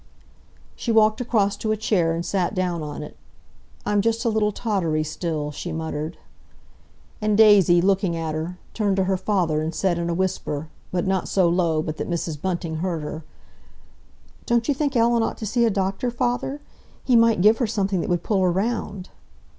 She walked across to a chair and sat down on it. "I'm just a little tottery still," she muttered. And Daisy, looking at her, turned to her father and said in a whisper, but not so low but that Mrs. Bunting heard her, "Don't you think Ellen ought to see a doctor, father? He might give her something that would pull her round."